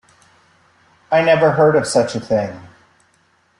I never heard of such a thing.